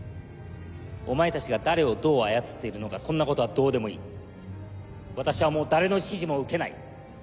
お前達が誰をどう操っているのかそんなことはどうでもいい私はもう誰の指示も受けない